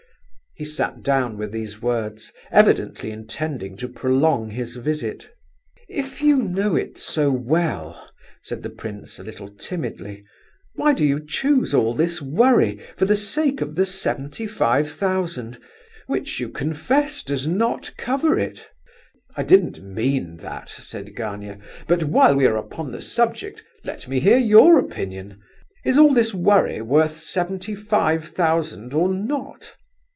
He sat down with these words, evidently intending to prolong his visit. "If you know it so well," said the prince a little timidly, "why do you choose all this worry for the sake of the seventy five thousand, which, you confess, does not cover it?" "I didn't mean that," said Gania; "but while we are upon the subject, let me hear your opinion. Is all this worry worth seventy five thousand or not?"